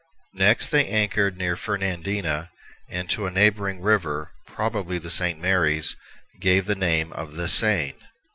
Next they anchored near Fernandina, and to a neighboring river, probably the St. Mary's, gave the name of the Seine.